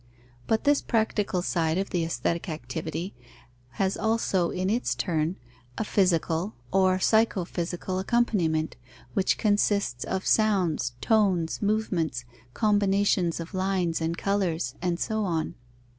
But this practical side of the aesthetic activity has also, in its turn, a physical or psychophysical accompaniment, which consists of sounds, tones, movements, combinations of lines and colours, and so on.